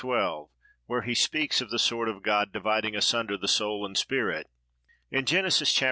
12, where he speaks of the sword of God "dividing asunder the soul and spirit." In Genesis, chap.